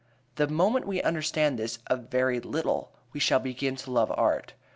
" The moment we understand this a very little we shall begin to love art.